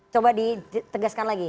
coba ditegaskan lagi